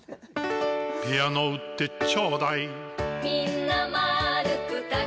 ピアノ売ってちょうだい。